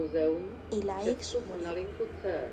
Ilaix Moriba.